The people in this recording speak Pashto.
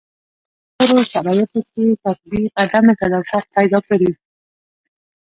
نورو شرایطو کې تطبیق عدم تطابق پیدا کړي.